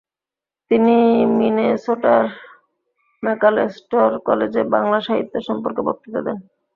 তিনি মিনেসোটার ম্যাকালেস্টর কলেজে বাংলা সাহিত্য সম্পর্কে বক্তৃতা দেন।